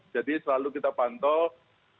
jadi selalu kita pantau